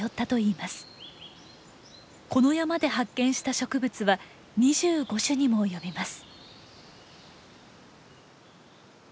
この山で発見した植物は２５種にも及びます。